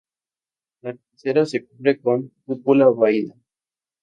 La cabecera se cubre con cúpula vaída.